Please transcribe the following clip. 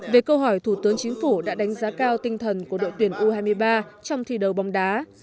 về câu hỏi thủ tướng chính phủ đã đánh giá cao tinh thần của đội tuyển u hai mươi ba trong thi đấu bóng đá